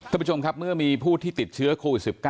ท่านผู้ชมครับเมื่อมีผู้ที่ติดเชื้อโควิด๑๙